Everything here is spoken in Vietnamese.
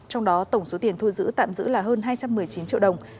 trong đó tổng số tiền thu giữ tạm giữ là hơn hai trăm một mươi chín triệu đồng